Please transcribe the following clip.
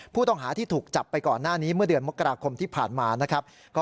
ผู้ต้องหาที่ถูกจับไปก่อนหน้านี้เมื่อเดือนมกราคมที่ผ่านมานะครับ